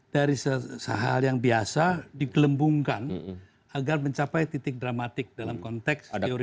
dari hal yang biasa digelembungkan agar mencapai titik dramatik dalam konteks teori